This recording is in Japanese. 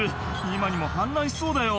「今にも氾濫しそうだよ」